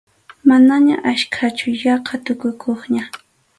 Manaña achkachu, yaqa tukukuqña.